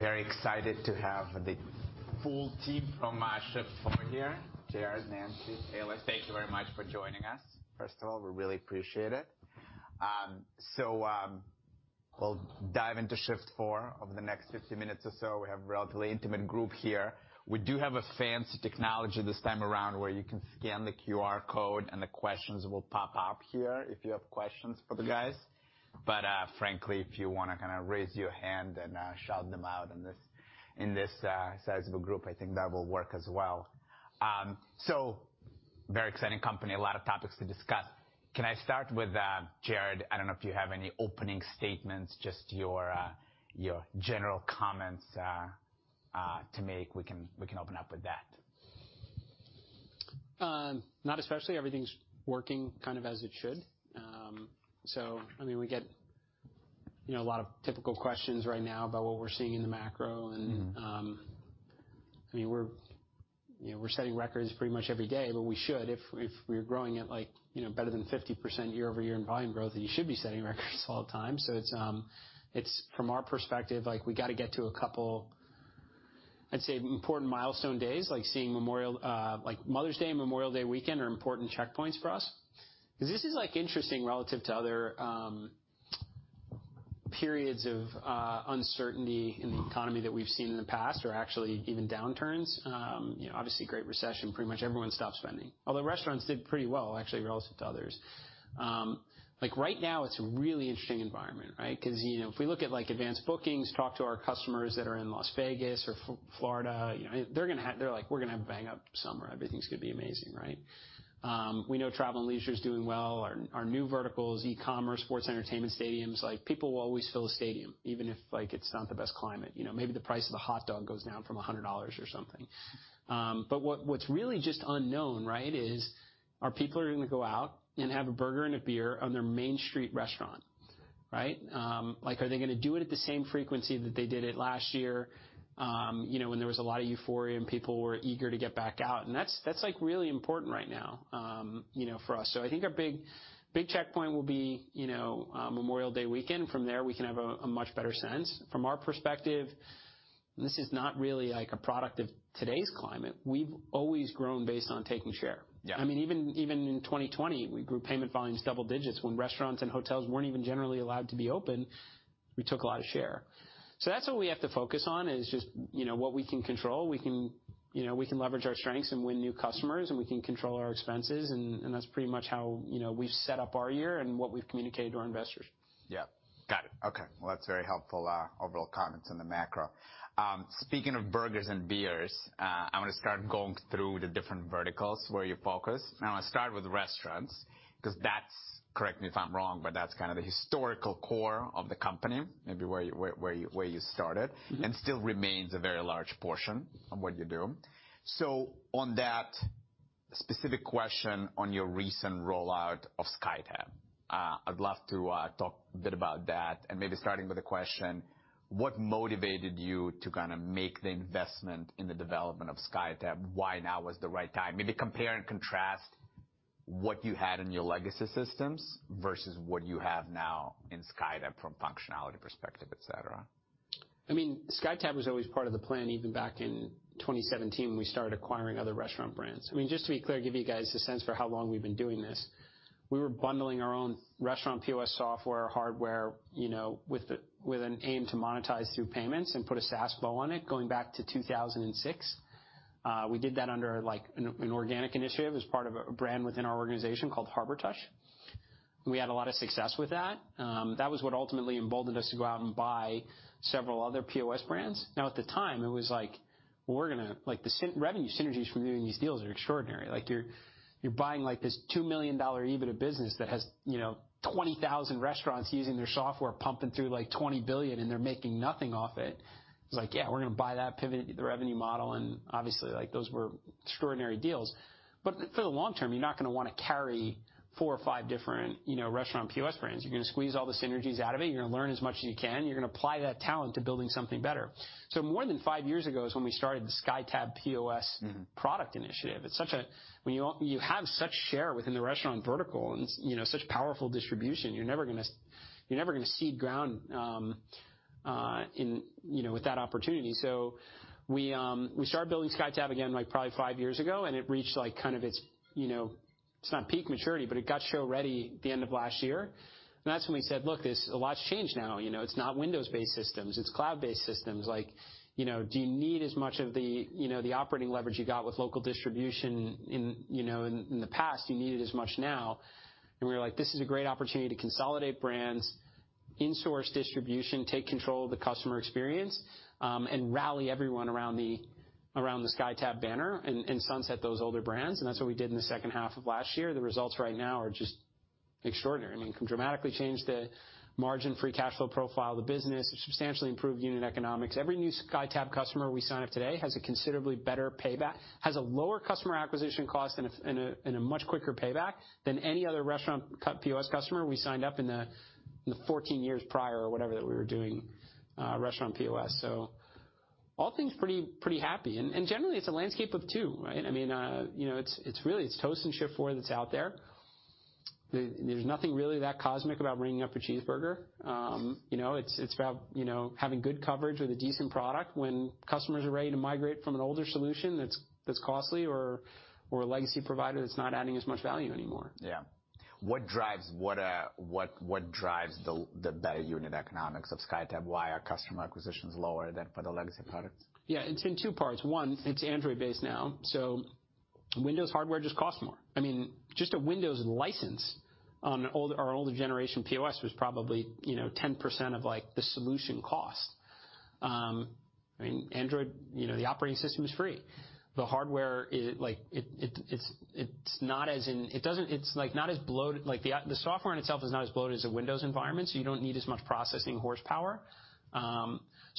Very excited to have the full team from Shift4 here. Jared, Nancy, Taylor, thank you very much for joining us, first of all. We really appreciate it. We'll dive into Shift4 over the next 50 minutes or so. We have a relatively intimate group here. We do have a fancy technology this time around where you can scan the QR code and the questions will pop up here if you have questions for the guys. Frankly, if you wanna kinda raise your hand and shout them out in this sizable group, I think that will work as well. Very exciting company. A lot of topics to discuss. Can I start with Jared? I don't know if you have any opening statements, just your general comments to make. We can open up with that. Not especially. Everything's working kind of as it should. I mean, we get, you know, a lot of typical questions right now about what we're seeing in the macro. Mm-hmm. I mean, we're, you know, we're setting records pretty much every day, but we should. If we're growing at like, you know, better than 50% year-over-year in volume growth, then you should be setting records all the time. It's from our perspective, like we gotta get to a couple, I'd say, important milestone days, like seeing Mother's Day and Memorial Day weekend are important checkpoints for us. 'Cause this is like interesting relative to other periods of uncertainty in the economy that we've seen in the past or actually even downturns. You know, obviously Great Recession, pretty much everyone stopped spending, although restaurants did pretty well actually relative to others. Like right now it's a really interesting environment, right? You know, if we look at like advanced bookings, talk to our customers that are in Las Vegas or Florida, you know, they're gonna have... They're like, "We're gonna have a bang-up summer. Everything's gonna be amazing," right? We know travel and leisure is doing well. Our, our new verticals, e-commerce, sports, entertainment, stadiums, like people will always fill a stadium even if like it's not the best climate. You know, maybe the price of the hot dog goes down from $100 or something. What's really just unknown, right, is are people are gonna go out and have a burger and a beer on their Main Street restaurant, right? Like are they gonna do it at the same frequency that they did it last year, you know, when there was a lot of euphoria and people were eager to get back out? That's like really important right now, you know, for us. I think our big checkpoint will be, you know, Memorial Day weekend. From there we can have a much better sense. From our perspective, this is not really like a product of today's climate. We've always grown based on taking share. Yeah. I mean even in 2020 we grew payment volumes double digits when restaurants and hotels weren't even generally allowed to be open. We took a lot of share. That's what we have to focus on is just, you know, what we can control. We can, you know, we can leverage our strengths and win new customers. We can control our expenses and that's pretty much how, you know, we've set up our year and what we've communicated to our investors. Yeah. Got it. Okay. Well, that's very helpful, overall comments on the macro. Speaking of burgers and beers, I wanna start going through the different verticals where you focus. I wanna start with restaurants 'cause that's, correct me if I'm wrong, but that's kind of the historical core of the company, maybe where you started. Mm-hmm. Still remains a very large portion of what you do. On that specific question on your recent rollout of SkyTab, I'd love to talk a bit about that and maybe starting with the question: What motivated you to kinda make the investment in the development of SkyTab? Why now was the right time? Maybe compare and contrast what you had in your legacy systems versus what you have now in SkyTab from functionality perspective, et cetera. I mean, SkyTab was always part of the plan even back in 2017 when we started acquiring other restaurant brands. I mean, just to be clear, give you guys a sense for how long we've been doing this, we were bundling our own restaurant POS software, hardware, you know, with an aim to monetize through payments and put a SaaS bow on it going back to 2006. We did that under like an organic initiative as part of a brand within our organization called Harbortouch. We had a lot of success with that. That was what ultimately emboldened us to go out and buy several other POS brands. Now, at the time, it was like, well, Like the revenue synergies from doing these deals are extraordinary. Like you're buying like this $2 million EBITDA business that has, you know, 20,000 restaurants using their software pumping through like $20 billion and they're making nothing off it. It's like, yeah, we're gonna buy that, pivot the revenue model, and obviously like those were extraordinary deals. For the long term you're not gonna wanna carry four or five different, you know, restaurant POS brands. You're gonna squeeze all the synergies out of it. You're gonna learn as much as you can. You're gonna apply that talent to building something better. More than five years ago is when we started the SkyTab POS- Mm-hmm... product initiative. When you have such share within the restaurant vertical and you know, such powerful distribution, you're never gonna cede ground in, you know, with that opportunity. We started building SkyTab again like probably five years ago and it reached like kind of its, you know, it's not peak maturity, but it got show ready the end of last year. That's when we said, "Look, a lot's changed now. You know, it's not Windows-based systems. It's cloud-based systems. Like, you know, do you need as much of the, you know, the operating leverage you got with local distribution in the past, do you need it as much now?" We were like, "This is a great opportunity to consolidate brands, in-source distribution, take control of the customer experience, and rally everyone around the SkyTab banner and sunset those older brands." That's what we did in the second half of last year. The results right now are just extraordinary. I mean, can dramatically change the margin free cash flow profile of the business. It substantially improved unit economics. Every new SkyTab customer we sign up today has a considerably better payback, has a lower customer acquisition cost and a much quicker payback than any other restaurant POS customer we signed up in the 14 years prior or whatever that we were doing, restaurant POS. All things pretty happy. Generally it's a landscape of two, right? I mean, you know, it's really Toast and Shift4 that's out there. There's nothing really that cosmic about ringing up a cheeseburger. You know, it's about, you know, having good coverage with a decent product when customers are ready to migrate from an older solution that's costly or a legacy provider that's not adding as much value anymore. Yeah. What drives the unit economics of SkyTab? Why are customer acquisitions lower than for the legacy products? It's in two parts. One, it's Android-based now. Windows hardware just costs more. I mean, just a Windows license on our older generation POS was probably, you know, 10% of like the solution cost. I mean, Android, you know, the operating system is free. The hardware is like it's not as bloated as a Windows environment, so you don't need as much processing horsepower.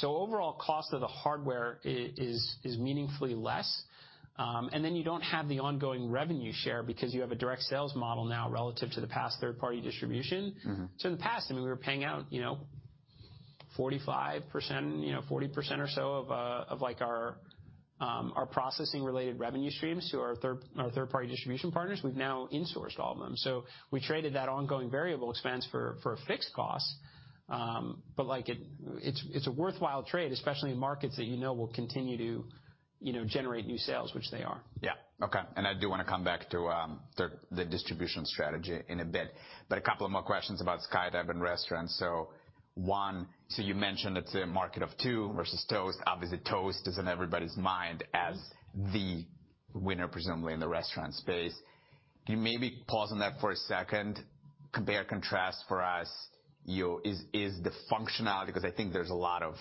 Overall cost of the hardware is meaningfully less. You don't have the ongoing revenue share because you have a direct sales model now relative to the past third-party distribution. Mm-hmm. In the past, I mean, we were paying out, you know, 45%, you know, 40% or so of like our processing related revenue streams to our third-party distribution partners. We've now insourced all of them. We traded that ongoing variable expense for a fixed cost. Like it's, it's a worthwhile trade, especially in markets that you know will continue to, you know, generate new sales, which they are. Yeah. Okay. I do wanna come back to the distribution strategy in a bit, but a couple of more questions about SkyTab and restaurants. One, you mentioned it's a market of two versus Toast. Obviously, Toast is in everybody's mind as the winner, presumably, in the restaurant space. Can you maybe pause on that for a second? Compare and contrast for us, you know, is the functionality, because I think there's a lot of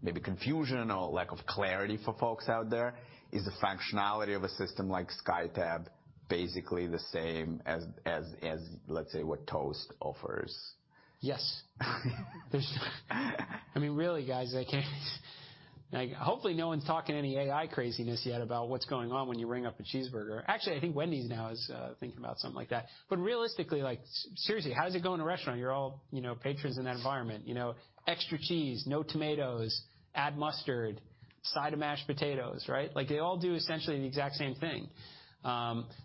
maybe confusion or lack of clarity for folks out there. Is the functionality of a system like SkyTab basically the same as, let's say, what Toast offers? Yes. There's I mean, really, guys, I can't. Like, hopefully no one's talking any AI craziness yet about what's going on when you ring up a cheeseburger. Actually, I think Wendy's now is thinking about something like that. Realistically, like, seriously, how does it go in a restaurant? You're all, you know, patrons in that environment. You know, extra cheese, no tomatoes, add mustard, side of mashed potatoes, right? Like they all do essentially the exact same thing.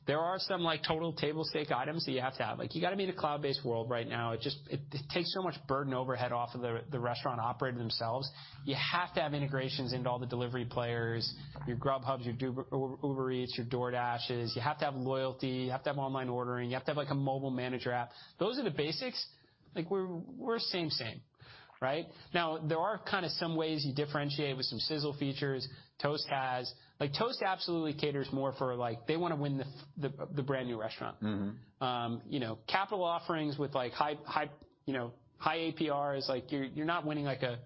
There are some like total table stake items that you have to have. Like, you gotta be in a cloud-based world right now. It takes so much burden overhead off of the restaurant operator themselves. You have to have integrations into all the delivery players, your GrubHubs, your Uber Eats, your DoorDashes. You have to have loyalty. You have to have online ordering. You have to have like a mobile manager app. Those are the basics. Like we're same, right? There are kinda some ways you differentiate with some sizzle features Toast has. Like Toast absolutely caters more for like, they wanna win the brand new restaurant. Mm-hmm. You know, capital offerings with like high, you know, high APR is like you're not winning like a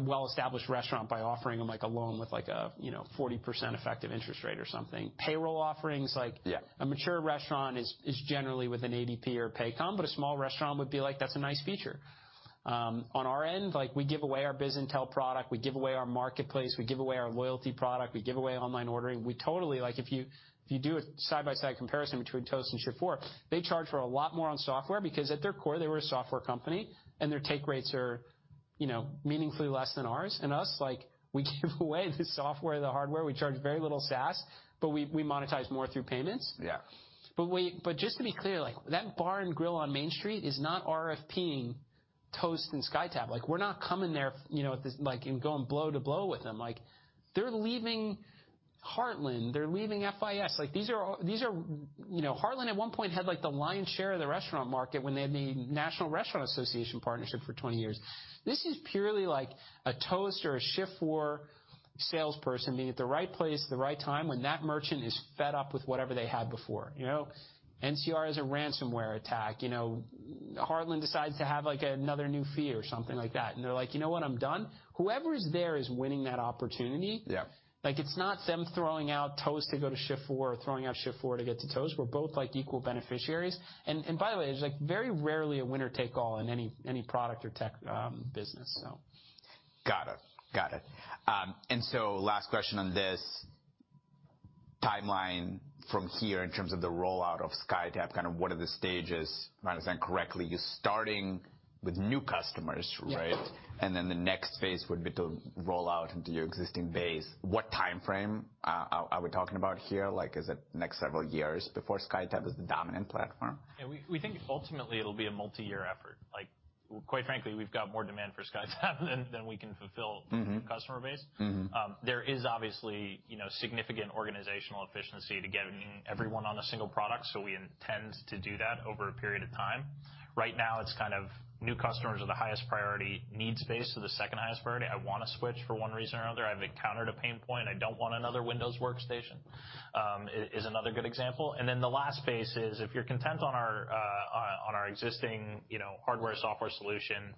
well-established restaurant by offering them like a loan with like a, you know, 40% effective interest rate or something. Payroll offerings like- Yeah. A mature restaurant is generally with an ADP or Paycom, but a small restaurant would be like, "That's a nice feature." On our end, like we give away our business intel product, we give away our marketplace, we give away our loyalty product, we give away online ordering. Like, if you do a side-by-side comparison between Toast and Shift4, they charge for a lot more on software because at their core, they were a software company, and their take rates are, you know, meaningfully less than ours. Us, like, we give away the software, the hardware. We charge very little SaaS, but we monetize more through payments. Yeah. Just to be clear, like that bar and grill on Main Street is not RFPing Toast and SkyTab. We're not coming there you know, at this like and going blow to blow with them. They're leaving Heartland, they're leaving FIS. You know, Heartland at one point had like the lion's share of the restaurant market when they had the National Restaurant Association partnership for 20 years. This is purely like a Toast or a Shift4 salesperson being at the right place at the right time when that merchant is fed up with whatever they had before, you know? NCR has a ransomware attack, you know. Heartland decides to have like another new fee or something like that, they're like, "You know what? I'm done." Whoever is there is winning that opportunity. Yeah. Like it's not them throwing out Toast to go to Shift4 or throwing out Shift4 to get to Toast. We're both like equal beneficiaries. By the way, there's like very rarely a winner take all in any product or tech business. Got it. Got it. Last question on this timeline from here in terms of the rollout of SkyTab, kind of what are the stages? If I understand correctly, you're starting with new customers, right? Yeah. The next phase would be to roll out into your existing base. What timeframe are we talking about here? Like is it next several years before SkyTab is the dominant platform? Yeah. We think ultimately it'll be a multi-year effort. Like quite frankly, we've got more demand for SkyTab than we can fulfill. Mm-hmm. With our customer base. Mm-hmm. There is obviously, you know, significant organizational efficiency to getting everyone on a single product. We intend to do that over a period of time. Right now it's kind of new customers are the highest priority. Needs-based are the second highest priority. I wanna switch for one reason or another. I've encountered a pain point. I don't want another Windows workstation is another good example. The last phase is if you're content on our existing, you know, hardware, software solution,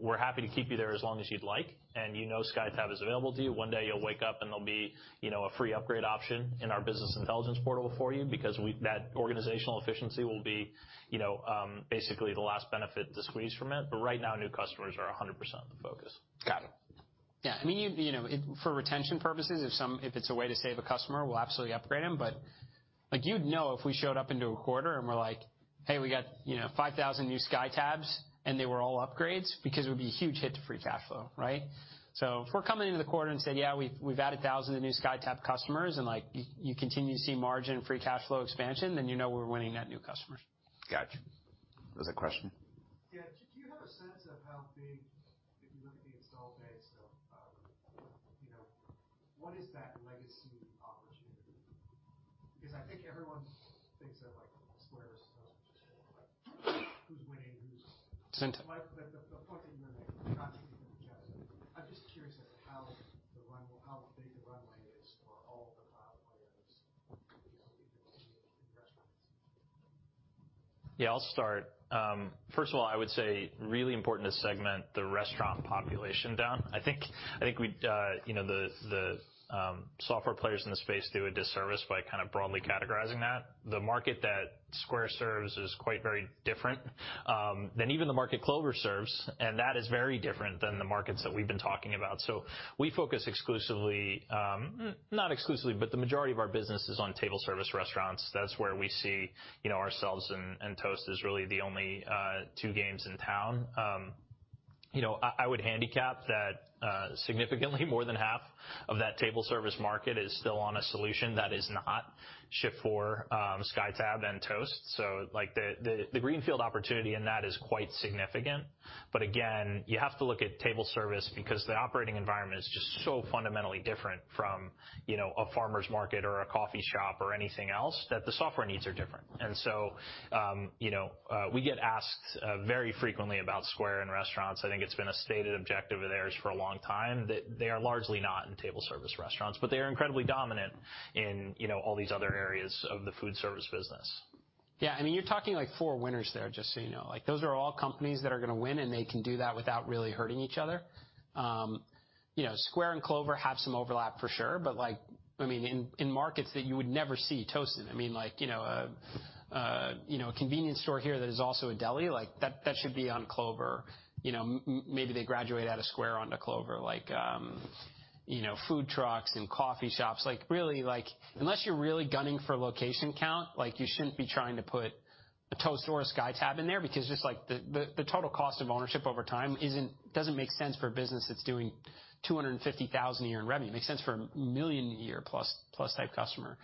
we're happy to keep you there as long as you'd like, and you know SkyTab is available to you. One day you'll wake up, and there'll be, you know, a free upgrade option in our business intelligence portal for you because that organizational efficiency will be, you know, basically the last benefit to squeeze from it. Right now, new customers are 100% the focus. Got it. Yeah. I mean, you know, if it's a way to save a customer, we'll absolutely upgrade them. You'd know if we showed up into a quarter and we're like, "Hey, we got, you know, 5,000 new SkyTabs," and they were all upgrades because it would be a huge hit to free cash flow, right? If we're coming into the quarter and said, "Yeah, we've added thousands of new SkyTab customers," and like you continue to see margin free cash flow expansion, then you know we're winning at new customers. Gotcha. There's a question. Yeah. Do you have a sense of how big, if you look at the install base of, you know, what is that legacy opportunity? Because I think everyone thinks of, like, Square as like who's winning. Center. Like, the point that you were making, not to be repetitive. I'm just curious at how big the runway is for all the cloud players, you know, even in restaurants. I'll start. First of all, I would say really important to segment the restaurant population down. I think we, you know, the, software players in the space do a disservice by kind of broadly categorizing that. The market that Square serves is quite very different than even the market Clover serves, and that is very different than the markets that we've been talking about. We focus exclusively, not exclusively, but the majority of our business is on table service restaurants. That's where we see, you know, ourselves and Toast as really the only two games in town. You know, I would handicap that, significantly more than half of that table service market is still on a solution that is not Shift4, SkyTab and Toast. Like, the greenfield opportunity in that is quite significant. Again, you have to look at table service because the operating environment is just so fundamentally different from, you know, a farmer's market or a coffee shop or anything else, that the software needs are different. You know, we get asked very frequently about Square and restaurants. I think it's been a stated objective of theirs for a long time. They are largely not in table service restaurants, but they are incredibly dominant in, you know, all these other areas of the food service business. Yeah. I mean, you're talking, like, four winners there, just so you know. Like, those are all companies that are gonna win, and they can do that without really hurting each other. You know, Square and Clover have some overlap for sure, but, like, I mean, in markets that you would never see Toast in. I mean, like, you know, a convenience store here that is also a deli, like that should be on Clover. You know, maybe they graduate out of Square onto Clover. Like, you know, food trucks and coffee shops. Like, really, like, unless you're really gunning for location count, like, you shouldn't be trying to put a Toast or a SkyTab in there because just, like, the total cost of ownership over time doesn't make sense for a business that's doing $250,000 a year in revenue. It makes sense for a $1 million a year plus type customer.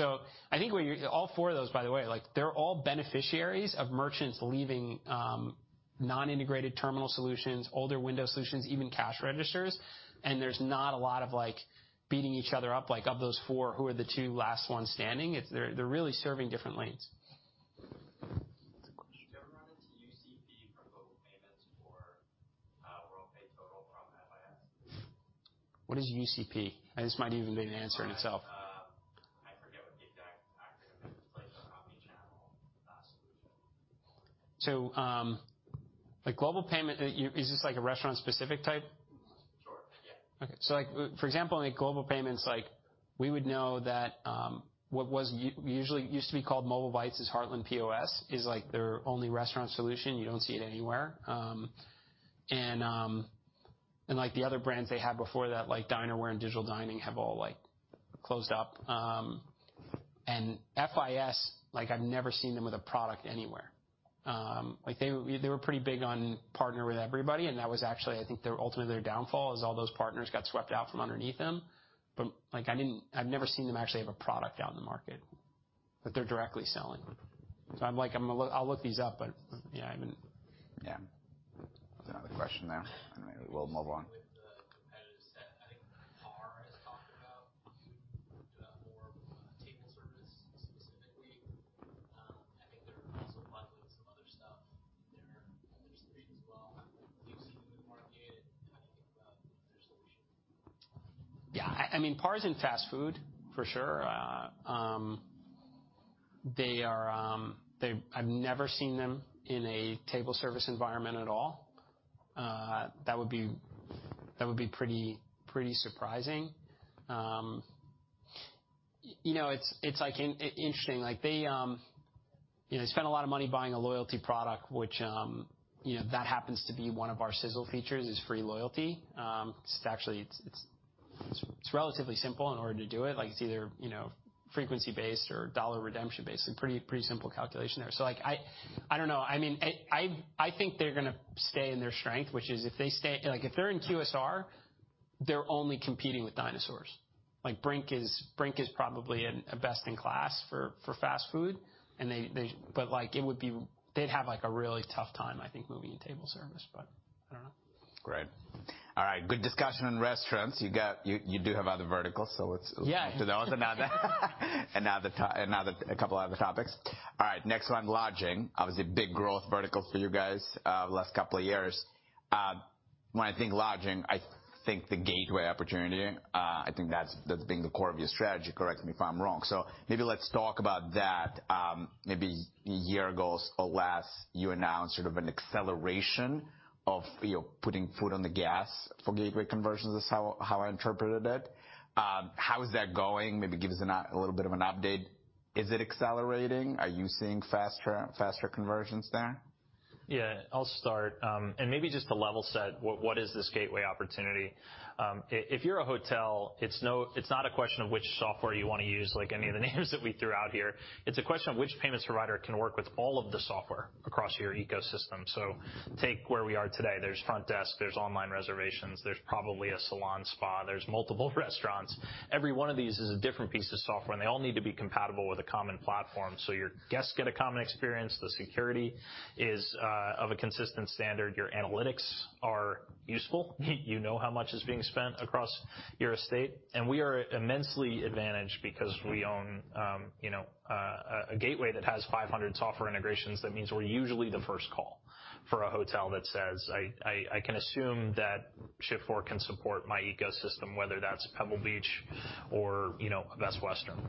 All four of those, by the way, like, they're all beneficiaries of merchants leaving non-integrated terminal solutions, older Windows solutions, even cash registers, and there's not a lot of, like, beating each other up. Like, of those four who are the two last ones standing, they're really serving different lanes. There's a question. Do you ever run into UCP from Global Payments or Worldpay Total from FIS? What is UCP? This might even be an answer in itself. I forget what the exact acronym is. It's like an omnichannel solution. Like Global Payments, is this like a restaurant specific type? Sure, yeah. Okay. Like, for example, in Global Payments, like we would know that, what was usually used to be called MobileBytes is Heartland POS is, like, their only restaurant solution. You don't see it anywhere. Like, the other brands they had before that, like Dinerware and Digital Dining, have all, like, closed up. FIS, like, I've never seen them with a product anywhere. Like they were pretty big on partner with everybody, and that was actually I think their ultimately their downfall is all those partners got swept out from underneath them. Like, I've never seen them actually have a product out in the market that they're directly selling. I'm like, I'll look these up, but yeah, I mean. Yeah. Is there another question there? We'll move on. With the competitive set, I think PAR has talked about doing more of a table service specifically. I think they're also bundling some other stuff in there, industry as well. Do you see them in the market? How do you think about their solution? I mean, PAR is in fast food for sure. They are, they I've never seen them in a table service environment at all. That would be pretty surprising. You know, it's like interesting. Like they, you know, spent a lot of money buying a loyalty product, which, you know, that happens to be one of our sizzle features is free loyalty. It's actually, it's relatively simple in order to do it. Like, it's either, you know, frequency-based or dollar redemption-based and pretty simple calculation there. Like, I don't know. I mean, I think they're gonna stay in their strength, which is if they stay, if they're in QSR, they're only competing with dinosaurs. Like Brink is probably a best in class for fast food, and they, like, they'd have, like, a really tough time, I think, moving to table service, but I don't know. Great. All right. Good discussion on restaurants. You do have other verticals, so let's- Yeah. -move to those. Another, a couple other topics. All right. Next one, lodging. Obviously, big growth verticals for you guys, the last couple of years. When I think lodging, I think the gateway opportunity. I think that's been the core of your strategy. Correct me if I'm wrong. Maybe let's talk about that. Maybe a year ago or less, you announced sort of an acceleration of, you know, putting foot on the gas for gateway conversions is how I interpreted it. How is that going? Maybe give us a little bit of an update. Is it accelerating? Are you seeing faster conversions there? Yeah. I'll start. Maybe just to level set what is this gateway opportunity? If you're a hotel, it's not a question of which software you wanna use, like any of the names that we threw out here. It's a question of which payments provider can work with all of the software across your ecosystem. Take where we are today. There's front desk, there's online reservations, there's probably a salon, spa, there's multiple restaurants. Every one of these is a different piece of software, they all need to be compatible with a common platform. Your guests get a common experience. The security is of a consistent standard. Your analytics are useful. You know how much is being spent across your estate. We are immensely advantaged because we own, you know, a gateway that has 500 software integrations. That means we're usually the first call for a hotel that says, "I can assume that Shift4 can support my ecosystem," whether that's Pebble Beach or, you know, a Best Western.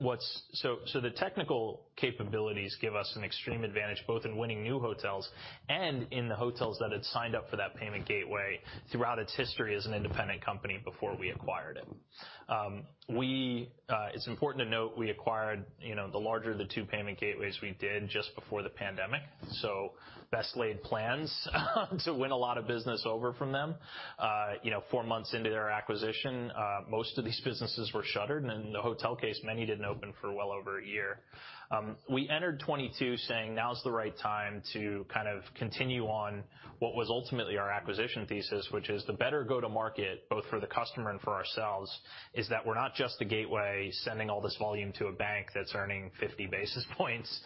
The technical capabilities give us an extreme advantage, both in winning new hotels and in the hotels that had signed up for that payment gateway throughout its history as an independent company before we acquired it. It's important to note, we acquired, you know, the larger of the two payment gateways we did just before the pandemic. Best laid plans, to win a lot of business over from them. You know, four months into their acquisition, most of these businesses were shuttered, and in the hotel case, many didn't open for well over a year. We entered 2022 saying, "Now's the right time to kind of continue on what was ultimately our acquisition thesis," which is the better go-to-market, both for the customer and for ourselves, is that we're not just a gateway sending all this volume to a bank that's earning 50 basis points,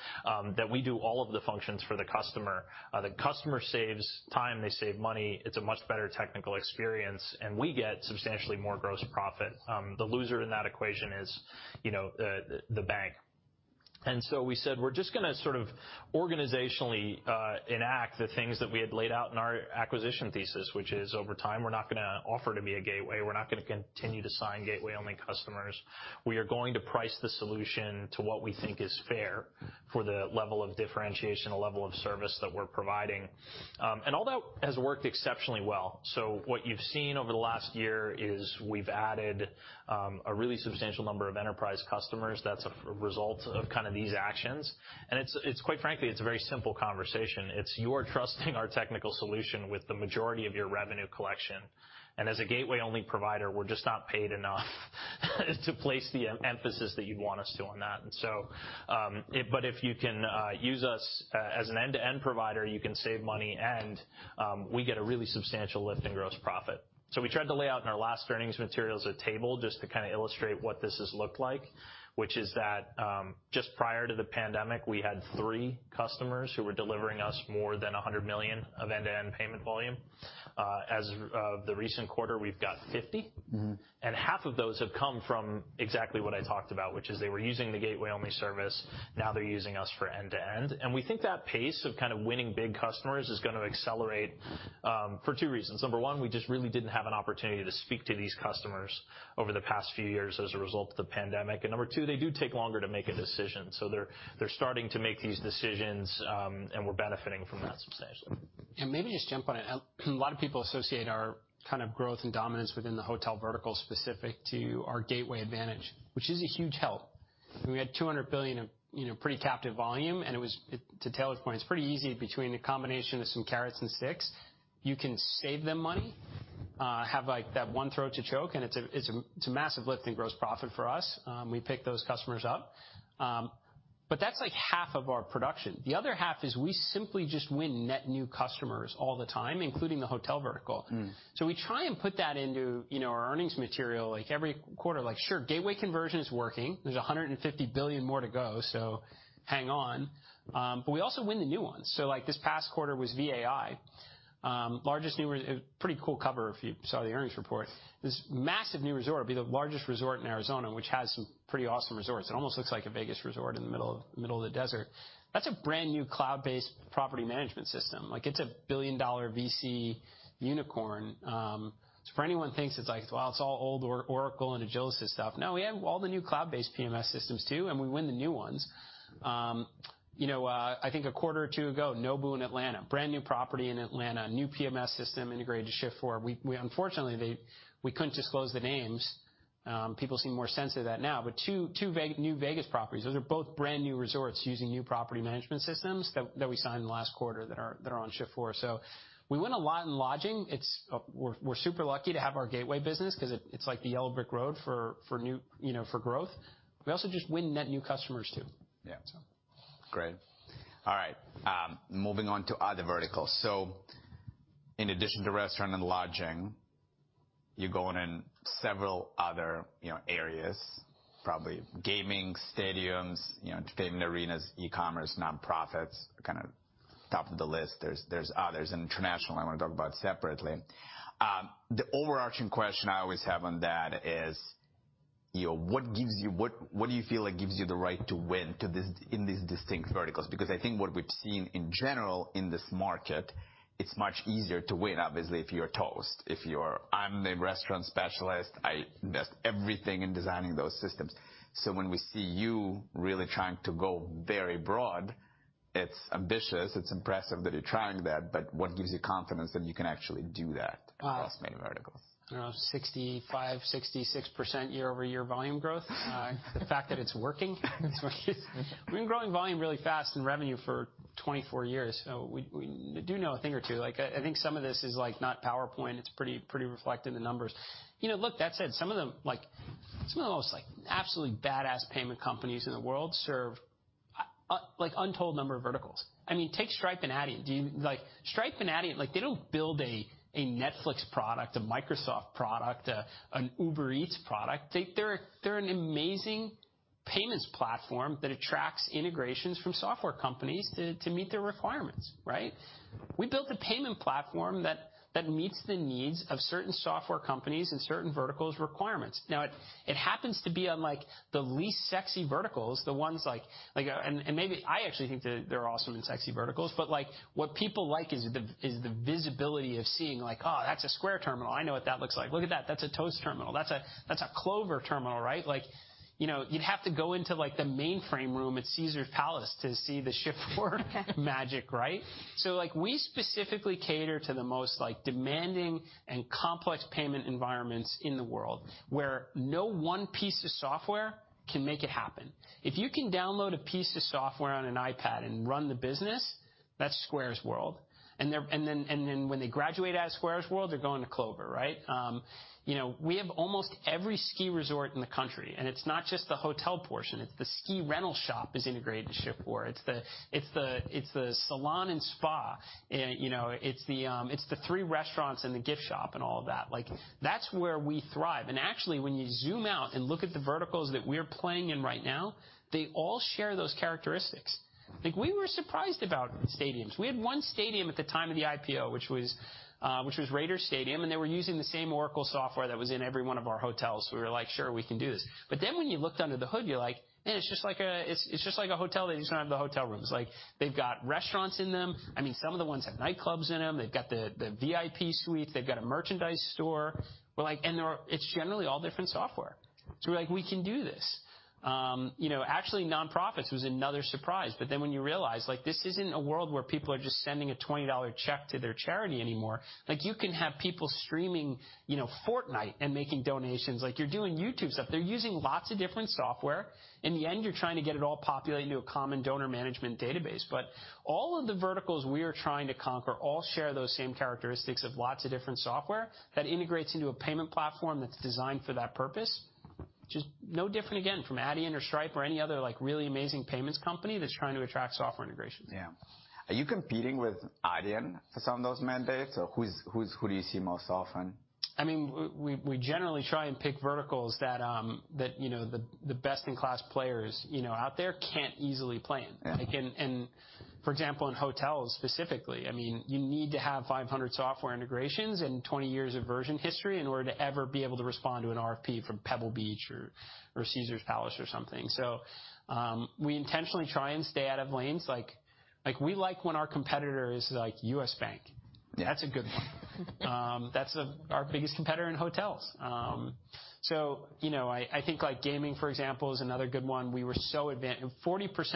that we do all of the functions for the customer. The customer saves time, they save money, it's a much better technical experience, and we get substantially more gross profit. The loser in that equation is, you know, the bank. We said we're just gonna sort of organizationally enact the things that we had laid out in our acquisition thesis, which is, over time, we're not gonna offer to be a gateway. We're not gonna continue to sign gateway-only customers. We are going to price the solution to what we think is fair for the level of differentiation and level of service that we're providing. All that has worked exceptionally well. What you've seen over the last year is we've added a really substantial number of enterprise customers. That's a result of kinda these actions. It's quite frankly, it's a very simple conversation. It's you're trusting our technical solution with the majority of your revenue collection. As a gateway-only provider, we're just not paid enough to place the emphasis that you'd want us to on that. But if you can, use us as an end-to-end provider, you can save money and we get a really substantial lift in gross profit. We tried to lay out in our last earnings materials a table just to kinda illustrate what this has looked like, which is that, just prior to the pandemic, we had three customers who were delivering us more than $100 million of end-to-end payment volume. As of the recent quarter, we've got 50. Mm-hmm. Half of those have come from exactly what I talked about, which is they were using the gateway-only service. Now they're using us for end-to-end. We think that pace of kinda winning big customers is gonna accelerate for two reasons. Number one, we just really didn't have an opportunity to speak to these customers over the past few years as a result of the pandemic. Number two, they do take longer to make a decision. They're starting to make these decisions, and we're benefiting from that substantially. Maybe just jump on it. A lot of people associate our kind of growth and dominance within the hotel vertical specific to our gateway advantage, which is a huge help. I mean, we had $200 billion of, you know, pretty captive volume. To Taylor's point, it's pretty easy between the combination of some carrots and sticks. You can save them money, have, like, that one throat to choke, and it's a massive lift in gross profit for us. We pick those customers up. That's, like, half of our production. The other half is we simply just win net new customers all the time, including the hotel vertical. Mm. We try and put that into, you know, our earnings material, like, every quarter. Sure, gateway conversion is working. There's $150 billion more to go, so hang on. We also win the new ones. This past quarter was VAI. Largest new a pretty cool cover if you saw the earnings report. This massive new resort, it'll be the largest resort in Arizona, which has some pretty awesome resorts. It almost looks like a Vegas resort in the middle of the desert. That's a brand-new cloud-based property management system. It's a billion-dollar VC unicorn. For anyone thinks it's like, well, it's all old Oracle and Agilysys stuff, no, we have all the new cloud-based PMS systems too, and we win the new ones. You know, I think a quarter or two ago, Nobu in Atlanta, brand-new property in Atlanta, new PMS system integrated to Shift4. Unfortunately, we couldn't disclose the names. People seem more sensitive to that now. Two new Vegas properties, those are both brand-new resorts using new property management systems that we signed last quarter that are on Shift4. We win a lot in lodging. We're super lucky to have our gateway business 'cause it's like the yellow brick road for new, you know, for growth. We also just win net new customers too. Yeah. Great. All right, moving on to other verticals. In addition to restaurant and lodging, you're going in several other, you know, areas, probably gaming, stadiums, you know, entertainment arenas, e-commerce, nonprofits are kinda top of the list. There's, there's others, and international I wanna talk about separately. The overarching question I always have on that is, you know, what do you feel like gives you the right to win in these distinct verticals? I think what we've seen in general in this market, it's much easier to win, obviously, if you're Toast, if you're, "I'm the restaurant specialist. I invest everything in designing those systems." When we see you really trying to go very broad, it's ambitious. It's impressive that you're trying that. What gives you confidence that you can actually do that? Uh- Across many verticals? I don't know, 65%, 66% year-over-year volume growth. The fact that it's working. We've been growing volume really fast and revenue for 24 years, we do know a thing or two. Like, I think some of this is, like, not PowerPoint. It's pretty reflect in the numbers. You know, look, that said, Like, some of the most, like, absolutely badass payment companies in the world serve, like untold number of verticals. I mean, take Stripe and Adyen. Like, Stripe and Adyen, like, they don't build a Netflix product, a Microsoft product, an Uber Eats product. They're an amazing payments platform that attracts integrations from software companies to meet their requirements, right? We built a payment platform that meets the needs of certain software companies and certain verticals' requirements. Now it happens to be on, like, the least sexy verticals, the ones like. maybe I actually think they're awesome and sexy verticals, but, like, what people like is the visibility of seeing, like, "Oh, that's a Square terminal. I know what that looks like. Look at that. That's a Toast terminal. That's a Clover terminal," right? Like, you know, you'd have to go into, like, the mainframe room at Caesars Palace to see the Shift4 magic, right? like, we specifically cater to the most, like, demanding and complex payment environments in the world, where no one piece of software can make it happen. If you can download a piece of software on an iPad and run the business, that's Square's world. they're... Then when they graduate out of Square's world, they're going to Clover, right? You know, we have almost every ski resort in the country, and it's not just the hotel portion, it's the ski rental shop is integrated to Shift4. It's the salon and spa. You know, it's the three restaurants and the gift shop and all of that. Like, that's where we thrive. Actually, when you zoom out and look at the verticals that we're playing in right now, they all share those characteristics. Like, we were surprised about stadiums. We had one stadium at the time of the IPO, which was Raiders Stadium, and they were using the same Oracle software that was in every one of our hotels. We were like, "Sure, we can do this." When you looked under the hood, you're like, "Man, it's just like a hotel that doesn't have the hotel rooms." They've got restaurants in them. I mean, some of the ones have nightclubs in them. They've got the VIP suites. They've got a merchandise store. It's generally all different software. We're like, "We can do this." You know, actually, nonprofits was another surprise. When you realize, like, this isn't a world where people are just sending a $20 check to their charity anymore. You can have people streaming, you know, Fortnite and making donations. You're doing YouTube stuff. They're using lots of different software. In the end, you're trying to get it all populated into a common donor management database. All of the verticals we are trying to conquer all share those same characteristics of lots of different software that integrates into a payment platform that's designed for that purpose. Just no different, again, from Adyen or Stripe or any other, like, really amazing payments company that's trying to attract software integrations. Yeah. Are you competing with Adyen for some of those mandates, or who do you see most often? I mean, we generally try and pick verticals that, you know, the best-in-class players, you know, out there can't easily play in. Yeah. Like, for example, in hotels specifically, I mean, you need to have 500 software integrations and 20 years of version history in order to ever be able to respond to an RFP from Pebble Beach or Caesars Palace or something. We intentionally try and stay out of lanes. Like, we like when our competitor is, like, U.S. Bank. Yeah. That's our biggest competitor in hotels. Gaming, for example, is another good one. We were so, 40%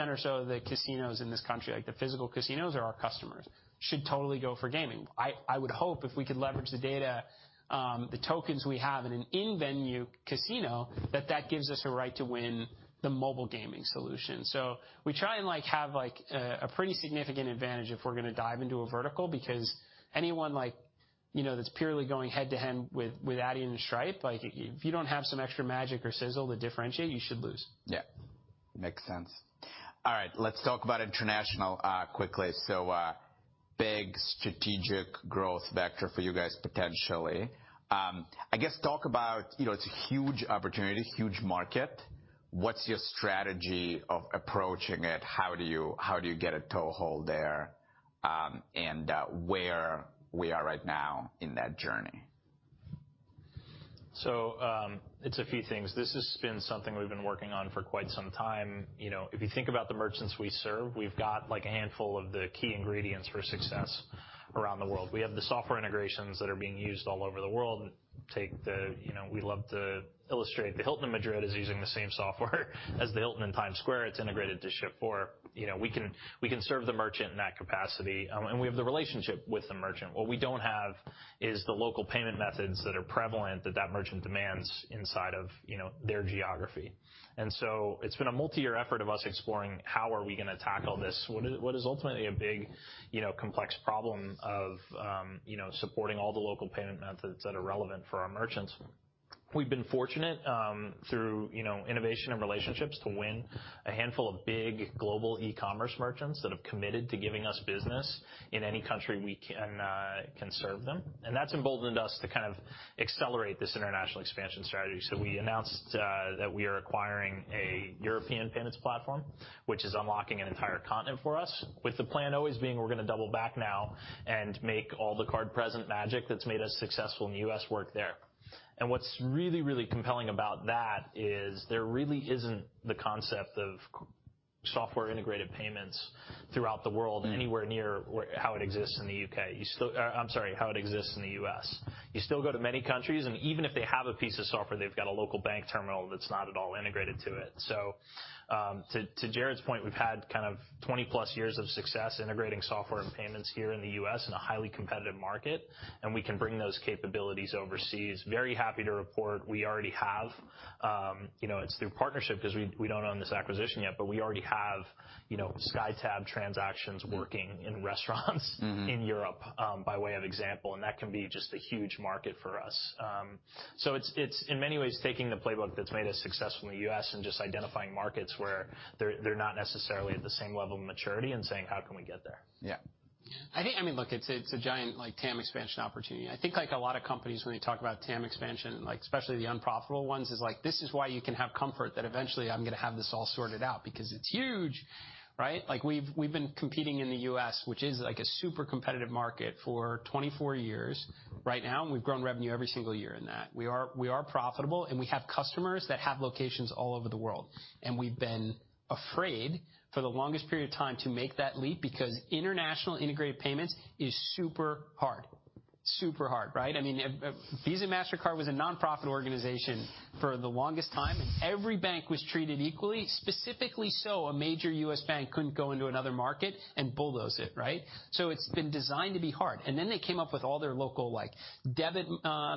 or so of the casinos in this country, like the physical casinos, are our customers. Should totally go for gaming. I would hope if we could leverage the data, the tokens we have in an in-venue casino, that gives us a right to win the mobile gaming solution. We try and have a pretty significant advantage if we're going to dive into a vertical, because anyone, you know, that's purely going head-to-head with Adyen and Stripe, if you don't have some extra magic or sizzle to differentiate, you should lose. Yeah. Makes sense. All right. Let's talk about international quickly. Big strategic growth vector for you guys potentially. I guess talk about, you know, it's a huge opportunity, huge market. What's your strategy of approaching it? How do you get a toehold there, and where we are right now in that journey? It's a few things. This has been something we've been working on for quite some time. You know, if you think about the merchants we serve, we've got, like, a handful of the key ingredients for success around the world. We have the software integrations that are being used all over the world. You know, we love to illustrate, the Hilton in Madrid is using the same software as the Hilton in Times Square. It's integrated to Shift4. You know, we can serve the merchant in that capacity, and we have the relationship with the merchant. What we don't have is the local payment methods that are prevalent that that merchant demands inside of, you know, their geography. It's been a multi-year effort of us exploring how are we gonna tackle this, what is ultimately a big, you know, complex problem of, you know, supporting all the local payment methods that are relevant for our merchants. We've been fortunate, through, you know, innovation and relationships to win a handful of big global e-commerce merchants that have committed to giving us business in any country we can serve them. That's emboldened us to kind of accelerate this international expansion strategy. We announced that we are acquiring a European payments platform, which is unlocking an entire continent for us, with the plan always being we're gonna double back now and make all the card-present magic that's made us successful in the U.S. work there. What's really compelling about that is there really isn't the concept of Software integrated payments throughout the world anywhere near how it exists in the U.K., I'm sorry, how it exists in the U.S. You still go to many countries, and even if they have a piece of software, they've got a local bank terminal that's not at all integrated to it. To Jared's point, we've had kind of 20+ years of success integrating software and payments here in the US in a highly competitive market, and we can bring those capabilities overseas. Very happy to report we already have, you know, it's through partnership 'cause we don't own this acquisition yet, but we already have, you know, SkyTab transactions working in restaurants. Mm-hmm. In Europe, by way of example, and that can be just a huge market for us. It's in many ways taking the playbook that's made us successful in the U.S. and just identifying markets where they're not necessarily at the same level of maturity and saying, "How can we get there? Yeah. I mean, look, it's a giant, like, TAM expansion opportunity. I think like a lot of companies, when you talk about TAM expansion, like especially the unprofitable ones, is like, this is why you can have comfort that eventually I'm gonna have this all sorted out because it's huge, right? Like, we've been competing in the U.S., which is like a super competitive market, for 24 years right now, and we've grown revenue every single year in that. We are profitable, and we have customers that have locations all over the world, and we've been afraid for the longest period of time to make that leap because international integrated payments is super hard. Super hard, right? I mean, Visa, Mastercard was a nonprofit organization for the longest time, and every bank was treated equally, specifically so a major U.S. Bank couldn't go into another market and bulldoze it, right? It's been designed to be hard. Then they came up with all their local, like, debit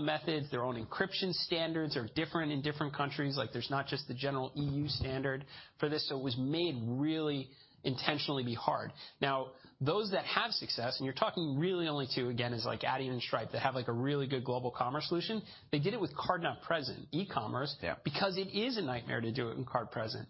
methods. Their own encryption standards are different in different countries. Like, there's not just the general EU standard for this. It was made really intentionally to be hard. Now, those that have success, and you're talking really only to, again, is, like, Adyen and Stripe. They have, like, a really good global commerce solution. They did it with card not present, e-commerce- Yeah... because it is a nightmare to do it in card present.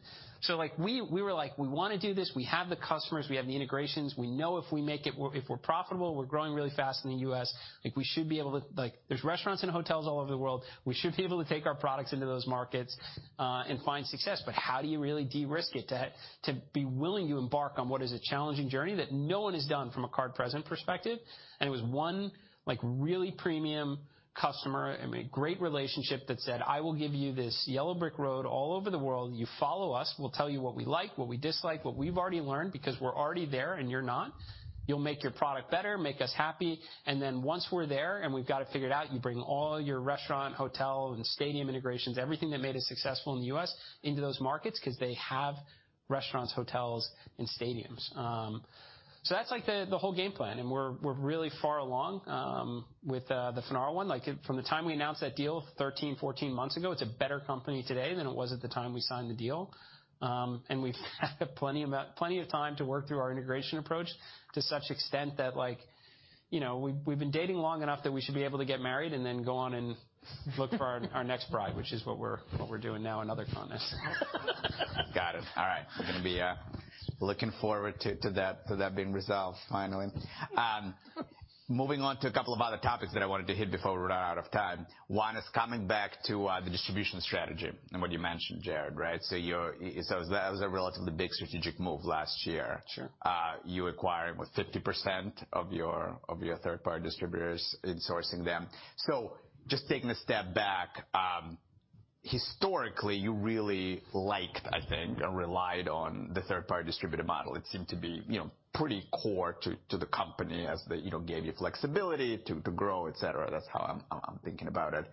We were like, "We wanna do this. We have the customers. We have the integrations. We know if we make it work, if we're profitable, we're growing really fast in the U.S., we should be able to. There's restaurants and hotels all over the world. We should be able to take our products into those markets and find success." How do you really de-risk it to be willing to embark on what is a challenging journey that no one has done from a card present perspective? It was one, like, really premium customer and a great relationship that said, "I will give you this yellow brick road all over the world. You follow us. We'll tell you what we like, what we dislike, what we've already learned, because we're already there and you're not. You'll make your product better, make us happy. Then once we're there and we've got it figured out, you bring all your restaurant, hotel, and stadium integrations, everything that made us successful in the U.S., into those markets," 'cause they have restaurants, hotels, and stadiums. So that's, like, the whole game plan, and we're really far along with the Finaro one. Like, from the time we announced that deal 13, 14 months ago, it's a better company today than it was at the time we signed the deal. We've plenty of time to work through our integration approach to such extent that, like, you know, we've been dating long enough that we should be able to get married and then go on and look for our next bride, which is what we're, what we're doing now in other contexts. Got it. All right. We're gonna be looking forward to that being resolved finally. Moving on to a couple of other topics that I wanted to hit before we run out of time. One is coming back to the distribution strategy and what you mentioned, Jared, right? That was a relatively big strategic move last year. Sure. You acquiring what? 50% of your, of your third-party distributors and sourcing them. Just taking a step back, historically, you really liked, I think, or relied on the third-party distributor model. It seemed to be, you know, pretty core to the company, as they, you know, gave you flexibility to grow, et cetera. That's how I'm thinking about it.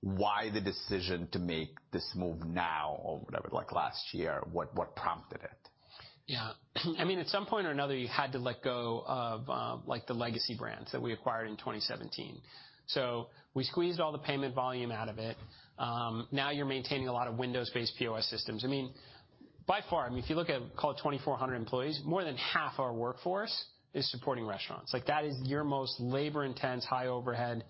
Why the decision to make this move now or whatever, like, last year? What prompted it? Yeah. I mean, at some point or another, you had to let go of, like, the legacy brands that we acquired in 2017. We squeezed all the payment volume out of it. Now you're maintaining a lot of Windows-based POS systems. I mean, by far, I mean, if you look at call it 2,400 employees, more than half our workforce is supporting restaurants. Like, that is your most labor intense, high overhead.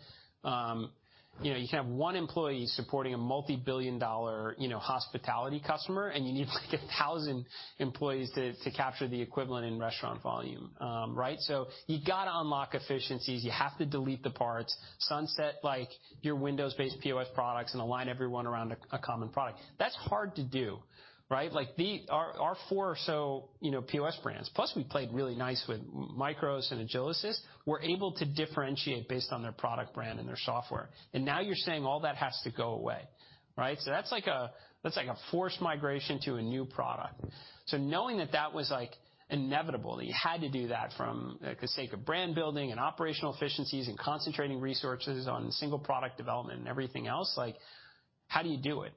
You know, you can have one employee supporting a multi-billion dollar, you know, hospitality customer, and you need, like, 1,000 employees to capture the equivalent in restaurant volume. Right? You gotta unlock efficiencies. You have to delete the parts. Sunset, like, your Windows-based POS products and align everyone around a common product. That's hard to do, right? Like the... Our four or so, you know, POS brands, plus we played really nice with MICROS and Agilysys, we're able to differentiate based on their product brand and their software. Now you're saying all that has to go away, right? That's like a forced migration to a new product. Knowing that that was, like, inevitable, that you had to do that from, like, the sake of brand building and operational efficiencies and concentrating resources on single product development and everything else, like, how do you do it,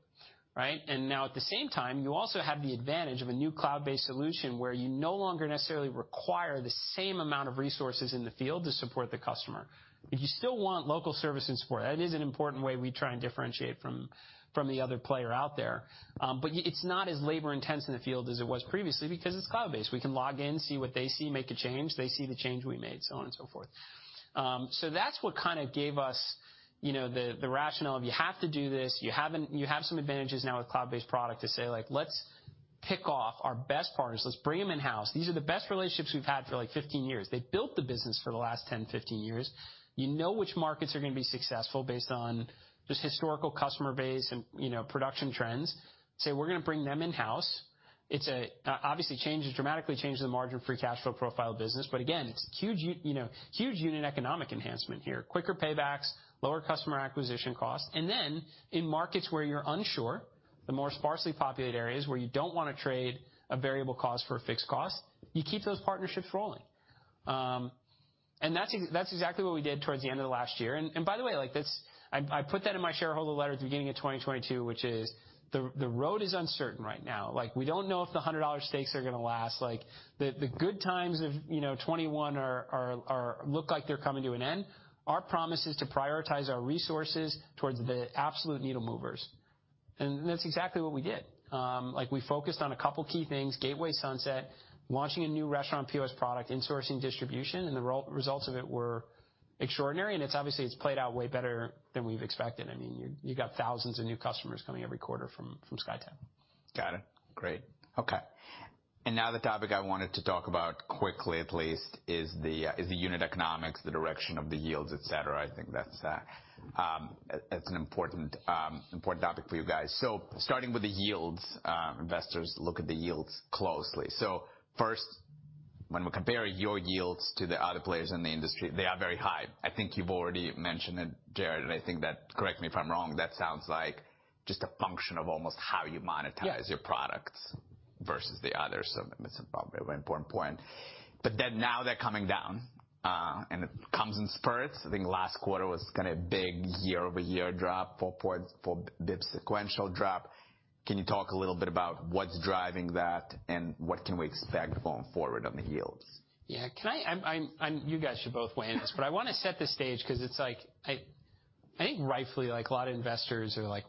right? Now, at the same time, you also have the advantage of a new cloud-based solution where you no longer necessarily require the same amount of resources in the field to support the customer. You still want local service and support. That is an important way we try and differentiate from the other player out there. It's not as labor intense in the field as it was previously because it's cloud-based. We can log in, see what they see, make a change. They see the change we made, so on and so forth. That's what kind of gave us, you know, the rationale of you have to do this. You have some advantages now with cloud-based product to say, like, "Let's pick off our best partners. Let's bring them in-house." These are the best relationships we've had for, like, 15 years. They built the business for the last 10, 15 years. You know which markets are gonna be successful based on just historical customer base and, you know, production trends. Say, "We're gonna bring them in-house." It's a, obviously changes, dramatically changes the margin free cash flow profile business, but again, it's huge you know, huge unit economic enhancement here. Quicker paybacks, lower customer acquisition costs. In markets where you're unsure, the more sparsely populated areas where you don't wanna trade a variable cost for a fixed cost, you keep those partnerships rolling. That's exactly what we did towards the end of last year. By the way, like, this... I put that in my shareholder letter at the beginning of 2022, which is the road is uncertain right now. We don't know if the $100 stakes are gonna last. The good times of, you know, 2021 are look like they're coming to an end. Our promise is to prioritize our resources towards the absolute needle movers. That's exactly what we did. Like, we focused on a couple key things, Gateway sunset, launching a new restaurant POS product, insourcing distribution, and the results of it were extraordinary. It's obviously, it's played out way better than we've expected. I mean, you got thousands of new customers coming every quarter from SkyTab. Got it. Great. Okay. Now the topic I wanted to talk about quickly, at least, is the unit economics, the direction of the yields, et cetera. I think that's, it's an important topic for you guys. Starting with the yields, investors look at the yields closely. First, when we compare your yields to the other players in the industry, they are very high. I think you've already mentioned it, Jared, and I think that, correct me if I'm wrong, that sounds like just a function of almost how you monetize- Yeah. -your products versus the others. That's probably a very important point. Now they're coming down, and it comes in spurts. I think last quarter was kind of big year-over-year drop, 4 points, 4 basis points sequential drop. Can you talk a little bit about what's driving that and what can we expect going forward on the yields? Yeah. You guys should both weigh in on this, but I wanna set the stage 'cause it's like, I think rightfully, like, a lot of investors are like,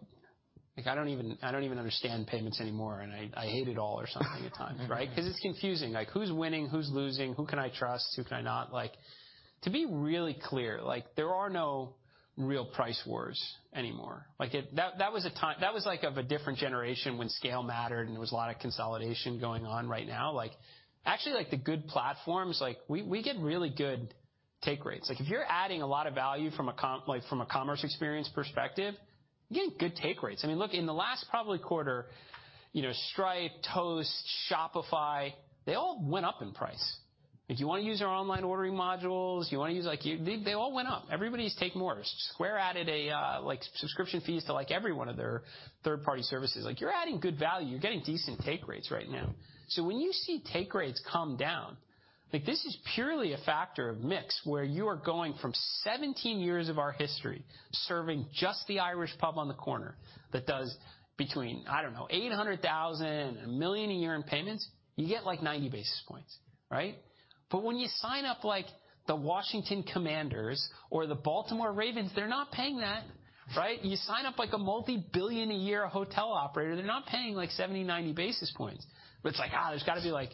"Like, I don't even, I don't even understand payments anymore, and I hate it all or something at times." Right? 'Cause it's confusing. Like, who's winning? Who's losing? Who can I trust? Who can I not? Like, to be really clear, like, there are no real price wars anymore. That was a time. That was, like, of a different generation when scale mattered, and there was a lot of consolidation going on right now. Like, actually, like, the good platforms, like, we get really good take rates. Like, if you're adding a lot of value from a commerce experience perspective, you're getting good take rates. I mean, look, in the last probably quarter, you know, Stripe, Toast, Shopify, they all went up in price. If you wanna use their online ordering modules, you wanna use like. They all went up. Everybody's taking more. Square added a, like, subscription fees to, like, every one of their third-party services. Like, you're adding good value. You're getting decent take rates right now. When you see take rates come down, like, this is purely a factor of mix, where you are going from 17 years of our history serving just the Irish pub on the corner that does between, I don't know, $800,000-$1 million a year in payments, you get, like, 90 basis points, right? When you sign up, like, the Washington Commanders or the Baltimore Ravens, they're not paying that, right? You sign up, like, a multi-billion-a-year hotel operator, they're not paying, like, 70, 90 basis points. It's like, there's gotta be like,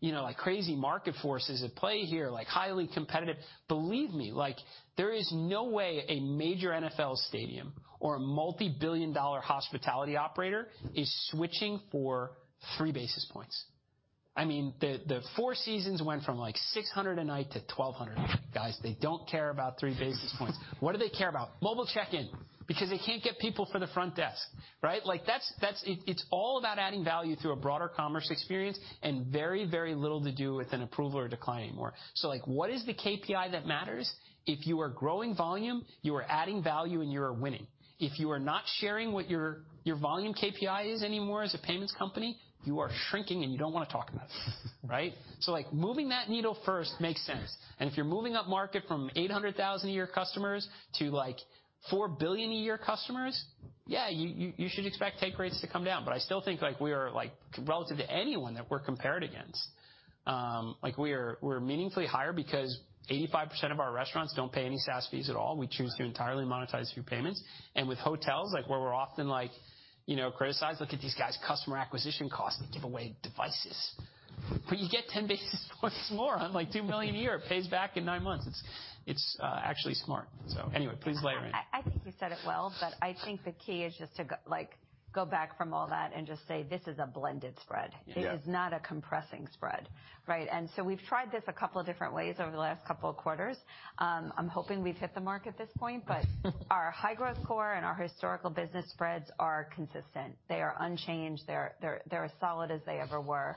you know, like, crazy market forces at play here, like, highly competitive. Believe me, like, there is no way a major NFL stadium or a multi-billion-dollar hospitality operator is switching for 3 basis points. I mean, the Four Seasons went from, like, $600 a night to $1,200. Guys, they don't care about 3 basis points. What do they care about? Mobile check-in, because they can't get people for the front desk, right? Like, that's, it's all about adding value through a broader commerce experience and very, very little to do with an approval or decline anymore. What is the KPI that matters? If you are growing volume, you are adding value, and you are winning. If you are not sharing what your volume KPI is anymore as a payments company, you are shrinking, and you don't wanna talk about it. Right? Moving that needle first makes sense. If you're moving upmarket from $800,000 a year customers to, like, $4 billion a year customers, yeah, you should expect take rates to come down. I still think, like, we are, like, relative to anyone that we're compared against, like, we're meaningfully higher because 85% of our restaurants don't pay any SaaS fees at all. We choose to entirely monetize through payments. With hotels, like, where we're often, like, you know, criticized, "Look at these guys' customer acquisition costs. They give away devices." You get 10 basis points more on, like, $2 million a year. It pays back in nine months. It's actually smart. Anyway, please weigh in. I think you said it well, but I think the key is just to like, go back from all that and just say, "This is a blended spread. Yeah. It is not a compressing spread, right? We've tried this a couple of different ways over the last couple of quarters. I'm hoping we've hit the mark at this point. Our high-growth core and our historical business spreads are consistent. They are unchanged. They're as solid as they ever were.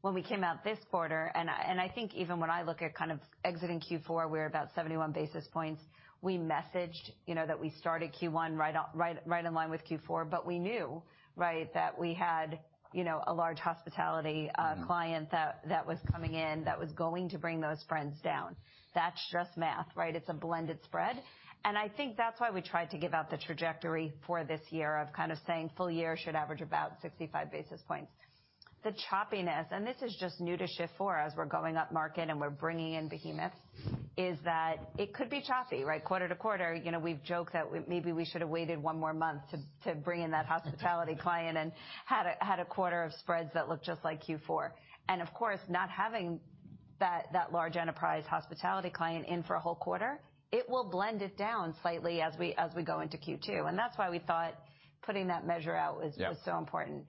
When we came out this quarter, and I think even when I look at kind of exiting Q4, we're about 71 basis points. We messaged, you know, that we started Q1 right in line with Q4, but we knew, right, that we had, you know, a large hospitality client that was coming in, that was going to bring those spreads down. That's just math, right? It's a blended spread. I think that's why we tried to give out the trajectory for this year of kind of saying full year should average about 65 basis points. The choppiness, and this is just new to Shift4 as we're going upmarket and we're bringing in behemoths, is that it could be choppy, right? Quarter to quarter, you know, we've joked that maybe we should have waited one more month to bring in that hospitality client and had a quarter of spreads that looked just like Q4. Of course, not having that large enterprise hospitality client in for a whole quarter, it will blend it down slightly as we go into Q2. That's why we thought putting that measure out was. Yeah. Was so important.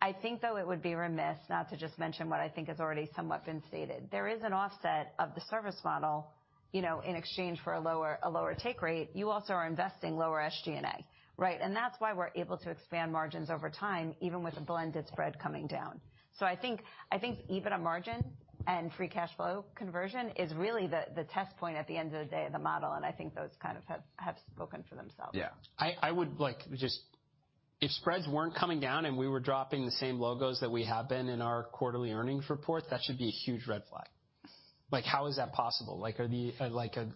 I think, though, it would be remiss not to just mention what I think has already somewhat been stated. There is an offset of the service model, you know, in exchange for a lower take rate. You also are investing lower SG&A, right? That's why we're able to expand margins over time, even with a blended spread coming down. I think EBITDA margin and free cash flow conversion is really the test point at the end of the day of the model, and I think those kind of have spoken for themselves. Yeah. I would like just if spreads weren't coming down and we were dropping the same logos that we have been in our quarterly earnings report, that should be a huge red flag. Like, how is that possible? Like, are the... Like, a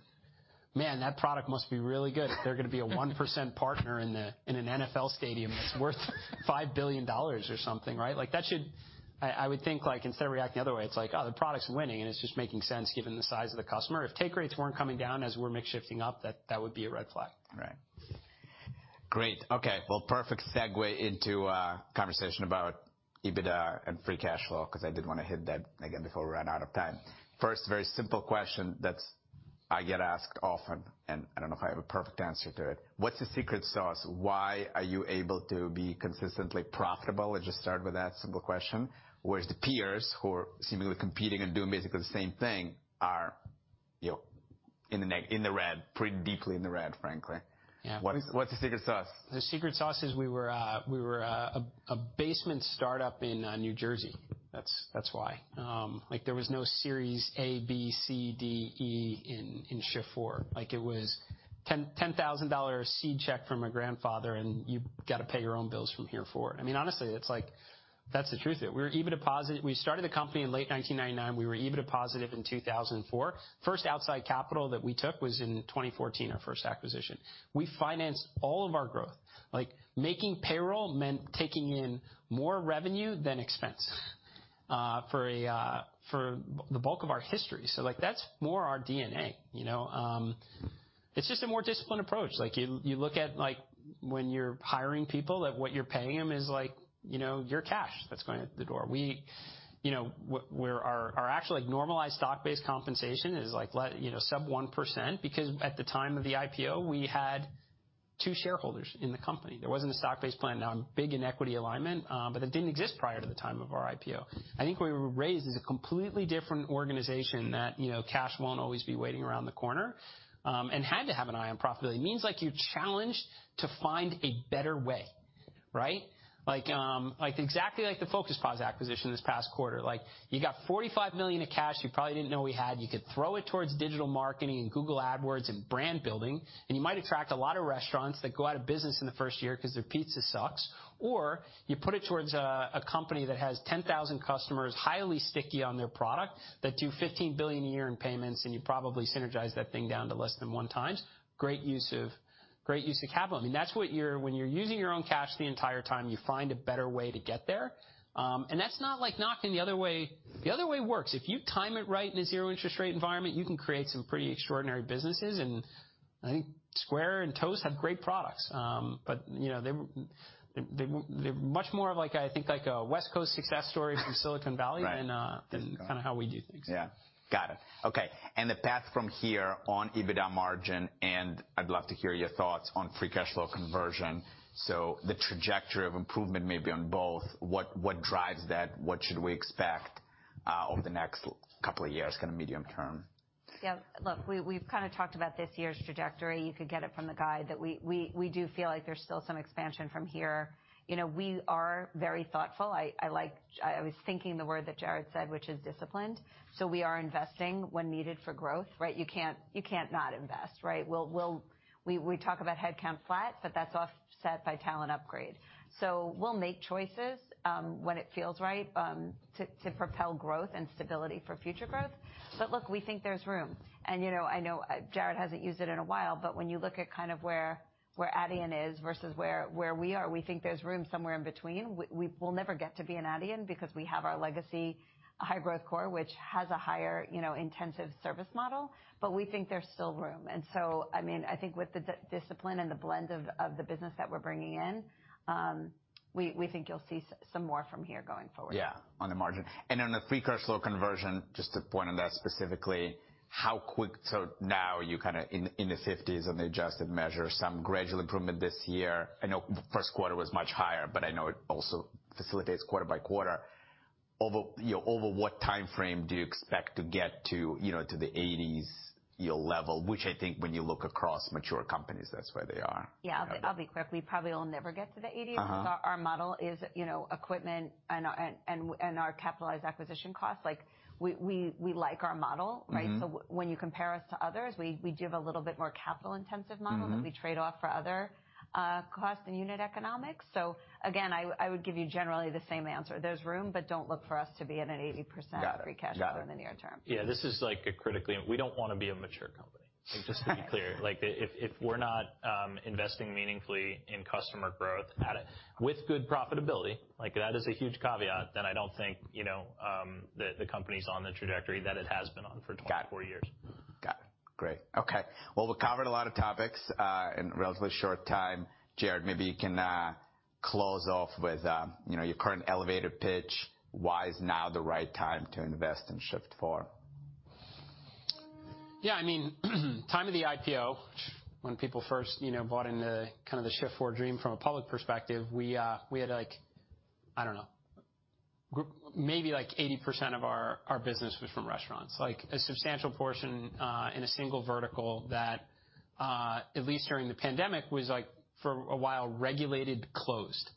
man, that product must be really good if they're gonna be a 1% partner in the, in an NFL stadium that's worth $5 billion or something, right? Like, that should... I would think, like, instead of reacting the other way, it's like, oh, the product's winning and it's just making sense given the size of the customer. If take rates weren't coming down as we're mix shifting up, that would be a red flag. Right. Great. Okay. Well, perfect segue into conversation about EBITDA and free cash flow, 'cause I did wanna hit that again before we run out of time. First, very simple question that I get asked often, and I don't know if I have a perfect answer to it. What's the secret sauce? Why are you able to be consistently profitable? Let's just start with that simple question. Whereas the peers who are seemingly competing and doing basically the same thing are, you know, in the red, pretty deeply in the red, frankly. Yeah. What's the secret sauce? The secret sauce is we were a basement startup in New Jersey. That's why. Like, there was no series A, B, C, D, E in Shift4. Like, it was $10,000 seed check from my grandfather, and you've gotta pay your own bills from here forward. I mean, honestly, it's like, that's the truth. We were EBITDA positive. We started the company in late 1999. We were EBITDA positive in 2004. First outside capital that we took was in 2014, our first acquisition. We financed all of our growth. Like, making payroll meant taking in more revenue than expense for the bulk of our history, so, like, that's more our DNA, you know? It's just a more disciplined approach. Like, you look at, like, when you're hiring people and what you're paying them is like, you know, your cash that's going out the door. We, you know, our actual, like, normalized stock-based compensation is, like, you know, sub 1%, because at the time of the IPO, we had two shareholders in the company. There wasn't a stock-based plan. Now I'm big in equity alignment, but it didn't exist prior to the time of our IPO. I think we were raised as a completely different organization that, you know, cash won't always be waiting around the corner and had to have an eye on profitability. It means, like, you're challenged to find a better way, right? Like, exactly like the Focus POS acquisition this past quarter. Like, you got $45 million in cash you probably didn't know we had. You could throw it towards digital marketing and Google AdWords and brand building, you might attract a lot of restaurants that go out of business in the first year 'cause their pizza sucks. You put it towards a company that has 10,000 customers, highly sticky on their product, that do $15 billion a year in payments, you probably synergize that thing down to less than 1x. Great use of capital. I mean, that's what you're. When you're using your own cash the entire time, you find a better way to get there. That's not, like, knocking the other way. The other way works. If you time it right in a zero interest rate environment, you can create some pretty extraordinary businesses. I think Square and Toast have great products. You know, they're much more of, like, I think, like a West Coast success story from Silicon Valley. Right... than kinda how we do things. Yeah. Got it. Okay. The path from here on EBITDA margin, and I'd love to hear your thoughts on free cash flow conversion. The trajectory of improvement may be on both. What drives that? What should we expect over the next couple of years, kinda medium term? Yeah. Look, we've kinda talked about this year's trajectory. You could get it from the guide that we do feel like there's still some expansion from here. You know, we are very thoughtful. I was thinking the word that Jared said, which is disciplined. We are investing when needed for growth, right? You can't not invest, right? We talk about headcount flat, but that's offset by talent upgrade. We'll make choices when it feels right to propel growth and stability for future growth. Look, we think there's room. You know, I know Jared hasn't used it in a while, but when you look at kind of where Adyen is versus where we are, we think there's room somewhere in between. We'll never get to be an Adyen because we have our legacy high-growth core, which has a higher, you know, intensive service model, but we think there's still room. I mean, I think with the discipline and the blend of the business that we're bringing in, we think you'll see some more from here going forward. Yeah, on the margin. On the free cash flow conversion, just to point on that specifically, how quick? Now you kinda, in the 50s on the adjusted measure, some gradual improvement this year. I know first quarter was much higher, I know it also facilitates quarter by quarter. Over, you know, over what timeframe do you expect to get to, you know, to the 80%s, your level, which I think when you look across mature companies, that's where they are? Yeah. I'll be quick. We probably will never get to the 80%s- Uh-huh... because our model is, you know, equipment and our capitalized acquisition costs. Like, we like our model, right? Mm-hmm. When you compare us to others, we do have a little bit more capital intensive model. Mm-hmm... that we trade off for other costs and unit economics. Again, I would give you generally the same answer. There's room, but don't look for us to be at an 80%- Got it. Got it.... free cash flow in the near term. Yeah. This is, like, critically. We don't wanna be a mature company. Just to be clear. Like, if we're not investing meaningfully in customer growth with good profitability, like, that is a huge caveat, then I don't think, you know, the company's on the trajectory that it has been on for 24 years. Got it. Got it. Great. Okay. Well, we covered a lot of topics, in a relatively short time. Jared, maybe you can, close off with, you know, your current elevator pitch. Why is now the right time to invest in Shift4? Yeah, I mean, time of the IPO, when people first, you know, bought into kind of the Shift4 dream from a public perspective, we had, like, I don't know, maybe, like, 80% of our business was from restaurants. A substantial portion in a single vertical that, at least during the pandemic, was, like, for a while, regulated closed.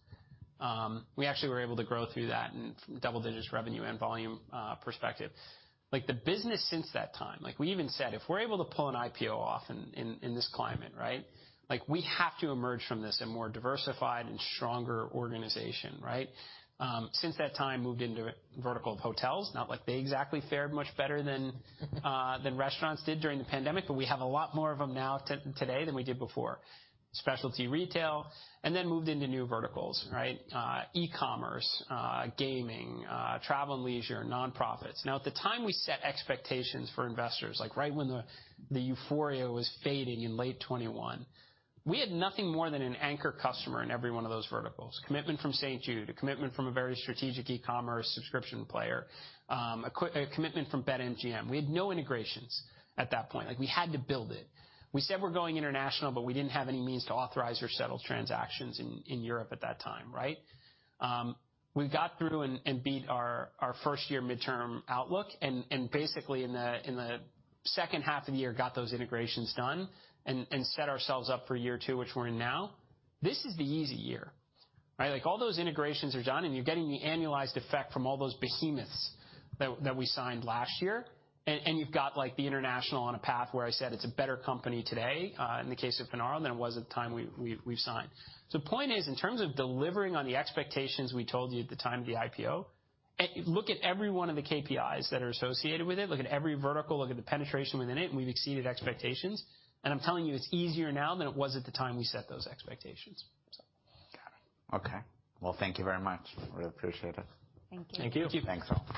We actually were able to grow through that in double digits revenue and volume perspective. The business since that time, like we even said, if we're able to pull an IPO off in this climate, right? We have to emerge from this a more diversified and stronger organization, right? Since that time, moved into vertical of hotels. Not like they exactly fared much better than than restaurants did during the pandemic, but we have a lot more of them now today than we did before. Specialty retail, and then moved into new verticals, right? E-commerce, gaming, travel and leisure, nonprofits. Now, at the time we set expectations for investors, like, right when the euphoria was fading in late 2021, we had nothing more than an anchor customer in every one of those verticals. Commitment from St. Jude, a commitment from a very strategic e-commerce subscription player, a commitment from BetMGM. We had no integrations at that point. Like, we had to build it. We said we're going international, but we didn't have any means to authorize or settle transactions in Europe at that time, right? We got through and beat our first-year midterm outlook, and basically in the second half of the year, got those integrations done and set ourselves up for year two, which we're in now. This is the easy year, right? Like, all those integrations are done, and you're getting the annualized effect from all those behemoths that we signed last year. You've got, like, the international on a path where I said it's a better company today, in the case of Finaro, than it was at the time we signed. The point is, in terms of delivering on the expectations we told you at the time of the IPO, look at every one of the KPIs that are associated with it, look at every vertical, look at the penetration within it, and we've exceeded expectations. I'm telling you, it's easier now than it was at the time we set those expectations. Got it. Okay. Well, thank you very much. We really appreciate it. Thank you. Thank you. Thanks, all.